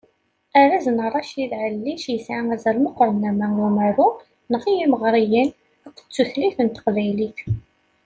Arraz Racid Ɛellic yesɛa azal meqqren ama i umaru, neɣ i yimeɣriyen, akked tutlayt n teqbaylit.